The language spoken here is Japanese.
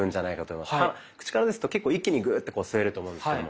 口からですと結構一気にグーッてこう吸えると思うんですけども。